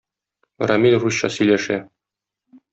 Рамил русча сөйләшә.